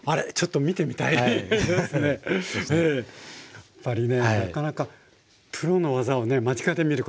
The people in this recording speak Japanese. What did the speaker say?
やっぱりねなかなかプロの技をね間近で見ることない。